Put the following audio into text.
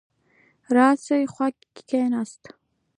راسره خوا کې کېناست.